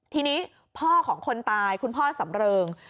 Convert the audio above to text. ทีนี้พ่อของคนตายคุณพ่อสำเริง